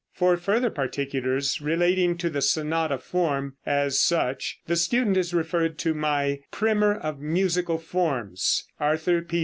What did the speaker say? For further particulars relating to the sonata form, as such, the student is referred to my "Primer of Musical Forms" (Arthur P.